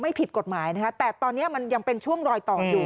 ผิดกฎหมายนะคะแต่ตอนนี้มันยังเป็นช่วงรอยต่ออยู่